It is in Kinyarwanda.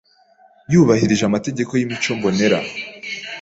Yubahirije amategeko y’ímico mbonera,